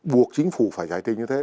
buộc chính phủ phải giải tình như thế